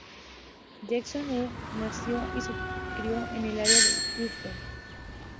Jackson Hurst nació y se crio en el área de Houston.